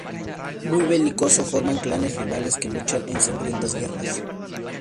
Muy belicosos, forman clanes rivales que luchan en sangrientas guerras.